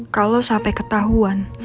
kalau sampai ketahuan